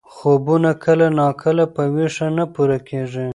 خوبونه کله ناکله په ویښه نه پوره کېږي.